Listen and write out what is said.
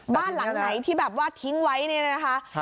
บ้านหลังไหนที่แบบว่าทิ้งไว้เนี่ยนะคะ